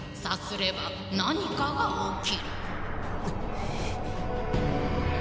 さすればなにかがおきる。